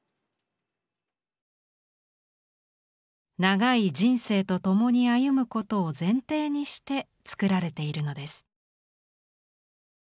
長い人生と共に歩むことを前提にして作られているのです。